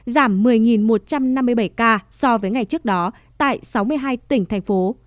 giảm một mươi một trăm năm mươi bảy ca so với ngày trước đó tại sáu mươi hai tỉnh thành phố